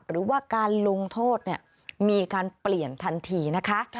หรือว่าการลงโทษมีการเปลี่ยนทันทีนะคะ